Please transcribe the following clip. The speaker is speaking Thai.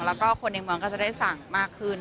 แล้วก็คนในเมืองก็จะได้สั่งมากขึ้น